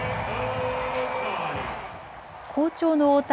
好調の大谷。